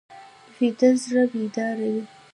ویده زړه بیداره وي